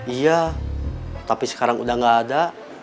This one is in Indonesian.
iya tapi sekarang udah gak ada